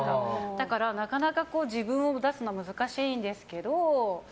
だから、なかなか自分を出すのは難しいんですけど。